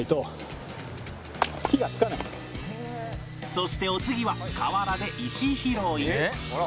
そしてお次は河原で石拾い